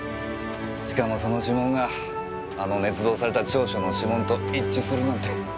しかもその指紋があの捏造された調書の指紋と一致するなんて。